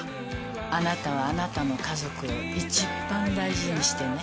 あなたはあなたの家族をいちばん大事にしてね。